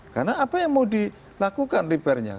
karena apa yang mau dilakukan repair nya